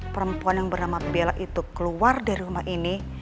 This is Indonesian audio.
perempuan yang bernama bella itu keluar dari rumah ini